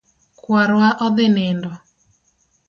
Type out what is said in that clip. Kwar wa odhi nindo